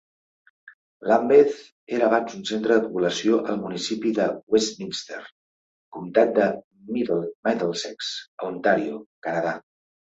Lambeth era abans un centre de població al municipi de Westminster, comtat de Middlesex a Ontario, Canadà.